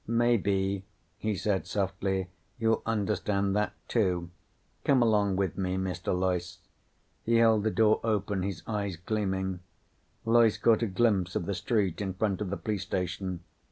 "Maybe," he said softly, "you'll understand that, too. Come along with me, Mr. Loyce." He held the door open, his eyes gleaming. Loyce caught a glimpse of the street in front of the police station.